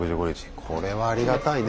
これはありがたいね